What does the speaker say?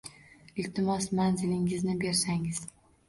Iltimos, manzilingizni bersangiz.